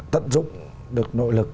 tận dụng được nội lực của quốc gia